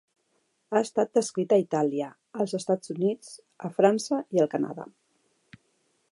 Ha estat descrita a Itàlia, als Estats Units, a França i al Canadà.